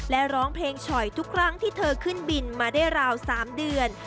และร้องเพลงฉ่อยทุกครั้งที่เธอขึ้นบินมาได้ราว๓เดือน